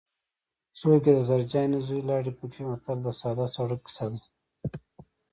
څوک یې د زرجانې زوی لاړې پکې متل د ساده سړي کیسه ده